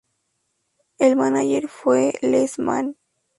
El mánager fue Les Mann.